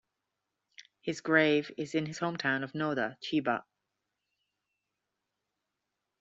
His grave is in his home town of Noda, Chiba.